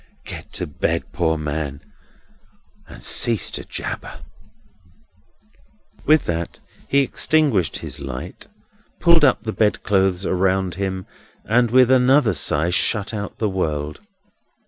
Get to bed, poor man, and cease to jabber!" With that, he extinguished his light, pulled up the bedclothes around him, and with another sigh shut out the world.